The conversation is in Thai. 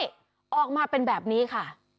นี่ออกมาเป็นแบบนี้ค่ะ